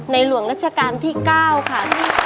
หลวงรัชกาลที่๙ค่ะ